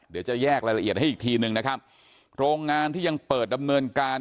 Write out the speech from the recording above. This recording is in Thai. เดี๋ยวจะแยกรายละเอียดให้อีกทีหนึ่งนะครับโรงงานที่ยังเปิดดำเนินการ